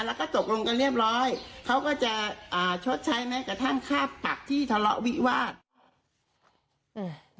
แล้วก็ตกลงกันเรียบร้อยเขาก็จะอ่าชดใช้แม้กระทั่งค่าปรับที่ทะเลาะวิวาส